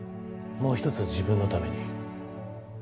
もう１つは自分のために。